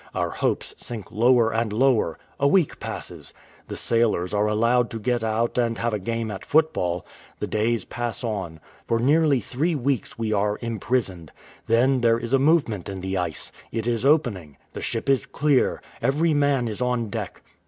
Our hopes sink lower and lower ; a week passes. The sailors are allowed to get out and have a game at football ; the days pass on ; for nearly three weeks we are imprisoned. Then there is a movement in the ice. It is opening. The ship is clear ! Every man is on deck.